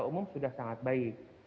umum sudah sangat baik